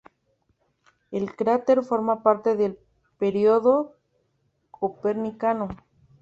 El cráter forma parte del Período Copernicano.